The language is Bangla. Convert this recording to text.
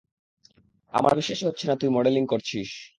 আমার বিশ্বাসই হচ্ছে না তুই মডেলিং করছিস।